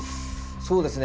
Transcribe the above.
そうですね。